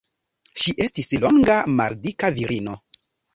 Ŝi estis longa maldika virino.